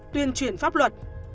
tuyên truyền pháp luật